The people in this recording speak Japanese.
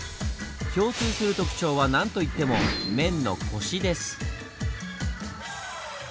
共通する特徴は何といっても麺の「コシ」です。